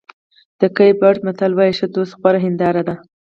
د کېپ ورېډ متل وایي ښه دوست غوره هنداره ده.